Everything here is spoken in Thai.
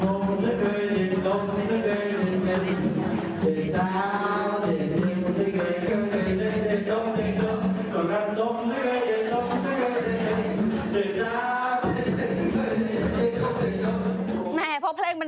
แหมเพราะเพลงมันเร็วแบบนี้